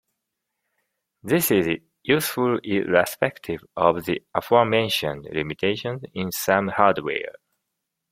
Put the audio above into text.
This is useful irrespective of the aforementioned limitations in some hardware.